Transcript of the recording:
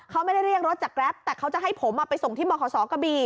เขาไม่ได้เรียกรถจากแกรปแต่เขาจะให้ผมไปส่งที่บขศกะบี่